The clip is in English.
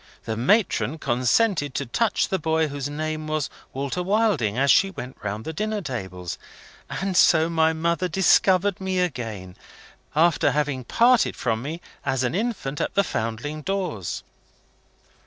The matron consented to touch the boy whose name was 'Walter Wilding' as she went round the dinner tables and so my mother discovered me again, after having parted from me as an infant at the Foundling doors."